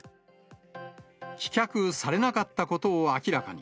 棄却されなかったことを明らかに。